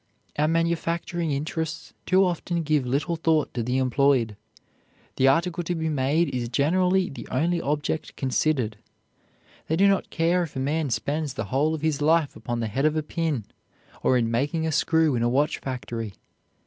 Our manufacturing interests too often give little thought to the employed; the article to be made is generally the only object considered. They do not care if a man spends the whole of his life upon the head of a pin, or in making a screw in a watch factory.